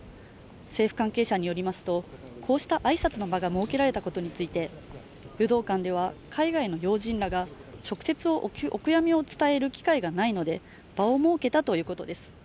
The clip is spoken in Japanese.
政府関係者によりますとこうした挨拶の場が設けられたことについて武道館では海外の要人らが直接お悔やみを伝える機会がないので場を設けたということです